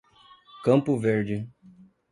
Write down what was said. Campo Verde